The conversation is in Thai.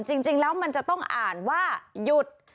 จริงแล้วมันจะต้องอ่านว่าหยุด